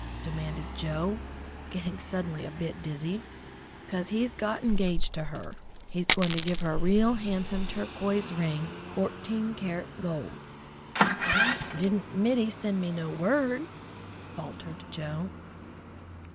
demanded Joe, getting suddenly a bit dizzy. "'Cause he's got engaged to her. He's going to give her a real handsome turquoise ring, fourteen carat gold." "Didn't Mittie send me no word?" faltered Joe.